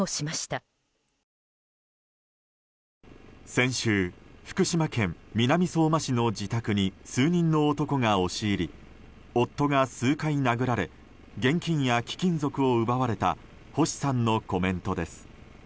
先週、福島県南相馬市の自宅に数人の男が押し入り夫が数回殴られ現金や貴金属を奪われた星さんのコメントです。